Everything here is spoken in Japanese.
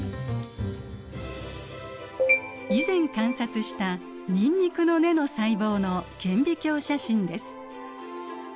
以前観察したニンニクの根の細胞の顕微鏡写真です。